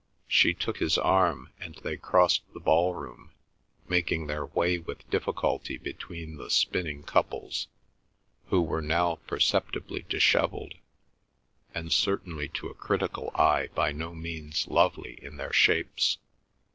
She took his arm and they crossed the ball room, making their way with difficulty between the spinning couples, who were now perceptibly dishevelled, and certainly to a critical eye by no means lovely in their shapes.